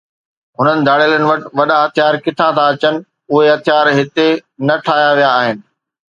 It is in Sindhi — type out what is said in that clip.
هنن ڌاڙيلن وٽ وڏا هٿيار ڪٿان ٿا اچن، اهي هٿيار هتي نه ٺاهيا ويا آهن